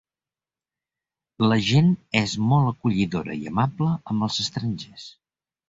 La gent és molt acollidora i amable amb els estrangers.